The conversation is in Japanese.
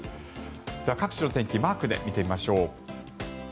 各地の天気マークで見てみましょう。